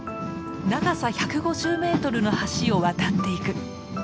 長さ１５０メートルの橋を渡っていく。